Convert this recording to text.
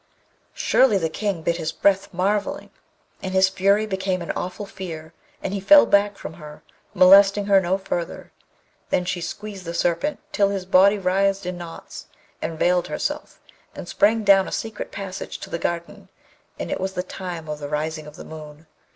Surely the King bit his breath, marvelling, and his fury became an awful fear, and he fell back from her, molesting her no further. Then she squeezed the serpent till his body writhed in knots, and veiled herself, and sprang down a secret passage to the garden, and it was the time of the rising of the moon.